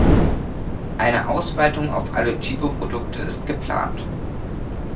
Eine Ausweitung auf alle Tchibo-Produkte ist geplant.